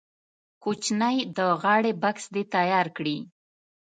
کوچنی د غاړې بکس دې تیار کړي.